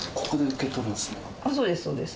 そうですそうです。